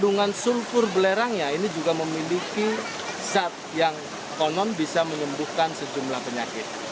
kandungan sulkur belerangnya ini juga memiliki zat yang konon bisa menyembuhkan sejumlah penyakit